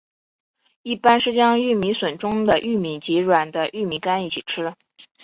一般是将玉米笋中的玉米及软的玉米秆一起吃。